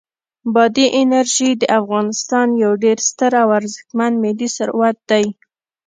بادي انرژي د افغانستان یو ډېر ستر او ارزښتمن ملي طبعي ثروت دی.